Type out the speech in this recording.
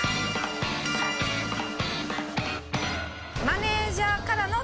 マネージャーから？